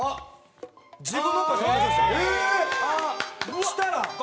そしたら。